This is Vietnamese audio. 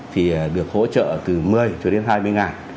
thì được hỗ trợ từ một mươi cho đến hai mươi ngàn